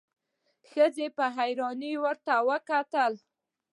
ښځې په حيرانی ورته وکتل.